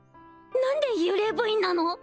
何で幽霊部員なの？